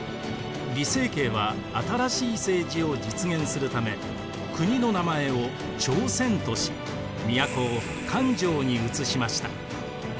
李成桂は新しい政治を実現するため国の名前を朝鮮とし都を漢城にうつしました。